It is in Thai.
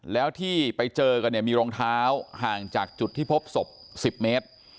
แล้วที่ไปเจอกันเนี่ยมีรองเท้าห่างจากจุดที่พบศพ๑๐เมตร